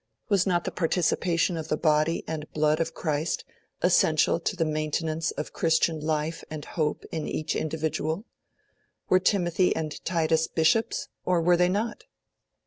Was not the participation of the Body and Blood of Christ essential to the maintenance of Christian life and hope in each individual? Were Timothy and Titus Bishops? Or were they not?